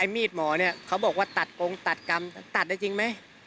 มีดหมอเนี่ยเขาบอกว่าตัดกรงตัดกรรมตัดได้จริงไหม